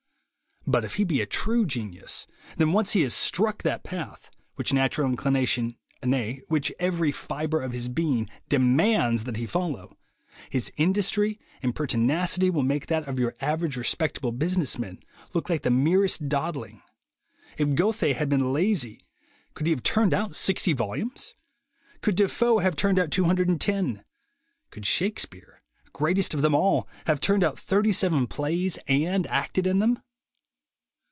But, if he be a true genius, then once he has struck that path, which natural inclination, nay, which every fibre of his being demands that he follow, his industry and pertinacity will make that of your average respectable business man look like the merest dawdling. If Goethe had been lazy, could he have turned out sixty volumes? Could Defoe have turned out two hundred and ten? Could Shakespeare, greatest of them all, have turned out thirty seven plays and acted in them